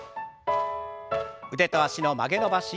腕と脚の曲げ伸ばし。